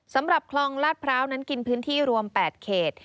สำหรับคลองลาดพร้าวนั้นกินพื้นที่รวม๘เขต